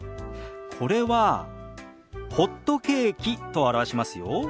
これは「ホットケーキ」と表しますよ。